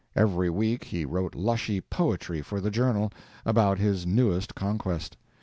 Every week he wrote lushy "poetry" for the "Journal," about his newest conquest.